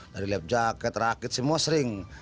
dari lap jaket rakit semua sering